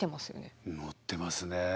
乗ってますね。